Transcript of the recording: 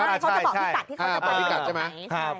เขาจะบอกพี่กัดพี่กัดใช่ไหม